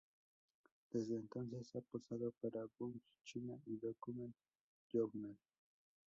Desde entonces ha posado para "Vogue China" y "Document Journal".